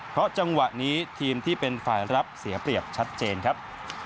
เพราะจังหวะนี้ทีมที่เป็นฝ่ายรับเสียเปรียบชัดเจนครับ